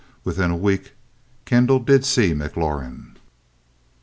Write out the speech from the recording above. Within a week, Kendall did see McLaurin.